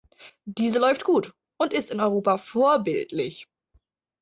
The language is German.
Diese läuft gut und ist in Europa vorbildlich.